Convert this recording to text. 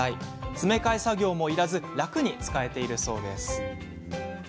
詰め替え作業もいらず楽に使えているそうです。